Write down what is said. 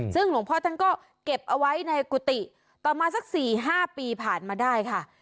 ซึ่งหลวงพ่อท่านก็เก็บเอาไว้ในกุฏิต่อมาสัก๔๕ปีผ่านมาได้ค่ะ